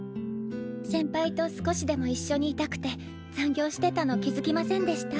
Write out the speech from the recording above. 先輩と少しでもいっしょにいたくて残業してたの気付きませんでした？